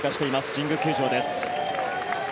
神宮球場です。